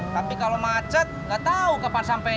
tapi kalau macet nggak tau kapan sampenya